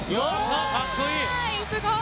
かっこいい。